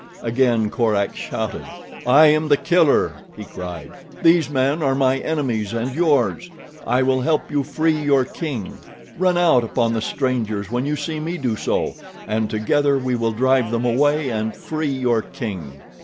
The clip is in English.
Again Korak shouted. "I am The Killer," he cried. "These men are my enemies and yours. I will help you free your king. Run out upon the strangers when you see me do so, and together we will drive them away and free your king."